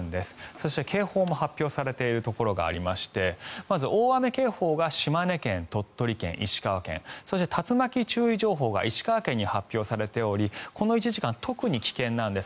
そして警報も発表されているところがありましてまず大雨警報が島根県、鳥取県、石川県そして、竜巻注意情報が石川県に発表されておりこの１時間特に危険なんです。